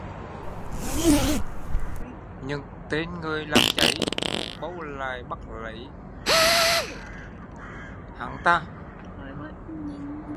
những tên người làm cháy bâu lại bắt lấy hắn ta